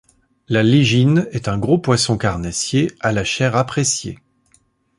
La légine est un gros poisson carnassier à la chair appréciée.